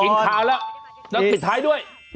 กินพาระแล้วปิดท้ายด้วย